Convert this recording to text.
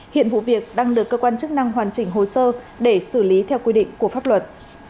hiện vụ việc đang được cơ quan chức năng hoàn chỉnh hồ sơ để xử lý theo quy định của pháp luật